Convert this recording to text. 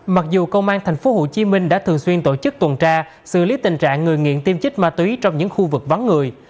mặc dù công an tp hcm đã thường xuyên tổ chức tuần tra xử lý tình trạng người nghiện tiêm trích ma túy trong những khu vực vắng người